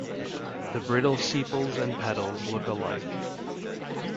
The brittle sepals and petals look alike.